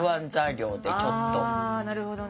あなるほどね。